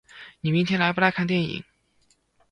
你明天来不来看电影？